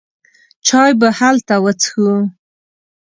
چای به هلته وڅښو.